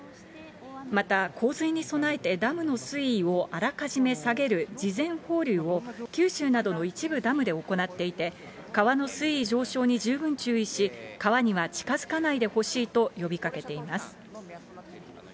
また洪水に備えてダムの水位をあらかじめ下げる事前放流を、九州などの一部ダムで行っていて、川の水位上昇に十分注意し、川には近づかないでほしいと呼びかけています。